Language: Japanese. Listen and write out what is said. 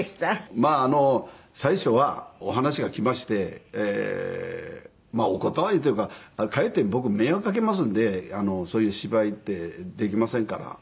まあ最初はお話が来ましてまあお断りというかかえって僕迷惑かけますんでそういう芝居ってできませんから。